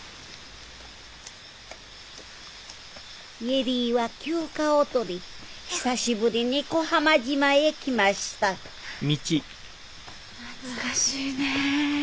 恵里は休暇を取り久しぶりに小浜島へ来ました懐かしいねぇ。